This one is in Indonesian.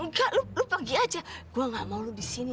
enggak lu pergi aja gue nggak mau lu di sini